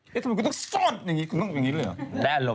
ทำไมคุณต้องซ่อนอย่างนี้คุณต้องอย่างนี้เลยเหรอ